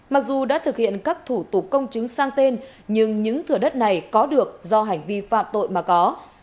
mặc dù đã thực hiện các thủ tục công chứng sang tên nhưng những thửa đất này có được do hành vi phạm tội mà có